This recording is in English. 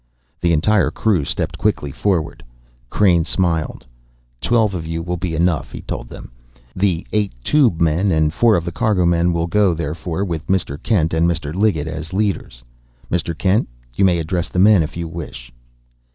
The entire crew stepped quickly forward. Crain smiled. "Twelve of you will be enough," he told them. "The eight tube men and four of the cargo men will go, therefore, with Mr. Kent and Mr. Liggett as leaders. Mr. Kent, you may address the men if you wish."